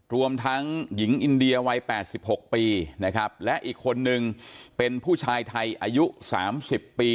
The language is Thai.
รวมทั้งหญิงอินเดียวัย๘๖ปีนะครับและอีกคนนึงเป็นผู้ชายไทยอายุ๓๐ปี